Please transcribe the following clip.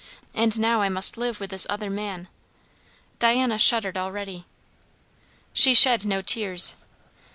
And now I must live with this other man!" Diana shuddered already. She shed no tears.